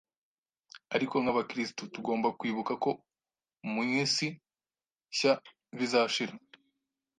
Ariko nk’Abakristu, tugomba kwibuka ko mu isi nshya bizashira